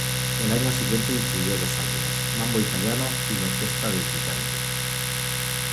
El año siguiente incidió dos álbumes: "Mambo italiano" y "L’orchestra del Titanic".